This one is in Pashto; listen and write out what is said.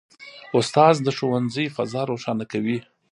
استاد د ښوونځي فضا روښانه کوي.